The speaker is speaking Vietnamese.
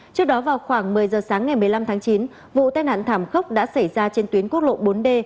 trước đó vào khoảng một mươi giờ sáng ngày một mươi năm tháng chín vụ tai nạn thảm khốc đã xảy ra trên tuyến quốc lộ bốn d